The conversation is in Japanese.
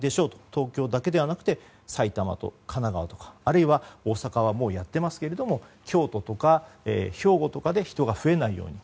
東京だけではなくて埼玉と神奈川とか、あるいは大阪はもうやっていますけども京都や兵庫で人が増えないように。